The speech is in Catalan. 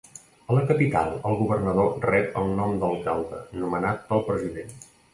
A la capital el governador rep el nom d'alcalde, nomenat pel president.